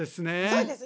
そうです。